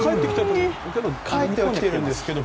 帰ってきてはいるんですよね。